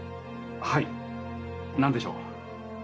はい何でしょう。